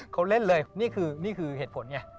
เขาเล่นเลยนี่คือเหตุผลเนี่ย